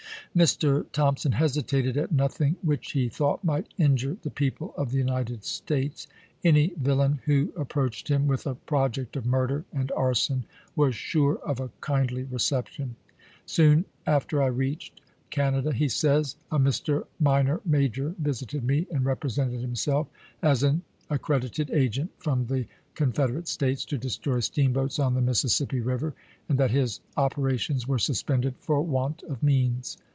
Mr. Thompson hesitated at nothing which he thought might injure the people of the United States. Any villain who approached him with a project of murder and arson was sure of a kindly reception. " Soon after I reached Canada," he says, "a Mr. Minor Major visited me and represented himself as an accredited agent from the Confederate States to destroy steamboats on the Mississippi River, and that his operations were suspended for want of means.